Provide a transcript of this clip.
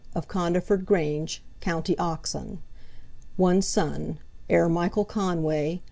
of Condaford Grange, co. Oxon; 1 son, heir Michael Conway, b.